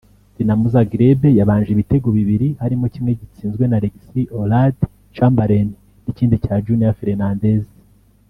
Dinamo Zagreb yabanje ibitego bibiri harmo kimwe cyitsinzwe na Alex Oxlade-Chamberlain n’ikindi cya Junior Fernandes